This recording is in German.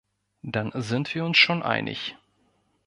Dann sind wir uns schon einig.